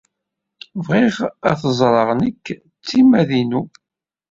Bɣiɣ ad t-ẓreɣ nekk d timmad-inu.